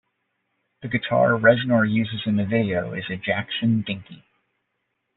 The guitar Reznor uses in the video is a Jackson Dinky.